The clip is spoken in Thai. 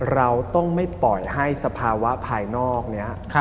เราต้องไม่ปล่อยให้สภาวะภายนอกนี้